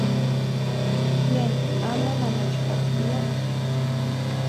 ¡Tlen! ¿Amo namechpaktia?